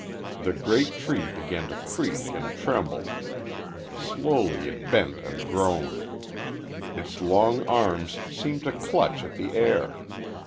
The great tree began to creak and tremble. Slowly it bent and groaned; its long arms seemed to clutch at the air.